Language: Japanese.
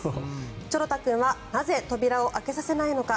ちょろ太君はなぜ扉を開けさせないのか